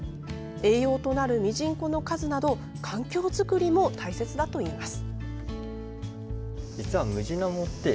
栄養となるミジンコの数など環境作りも大切だといいます。